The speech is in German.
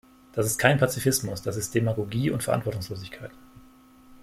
Das ist kein Pazifismus, das ist Demagogie und Verantwortungslosigkeit.